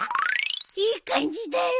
いい感じだよ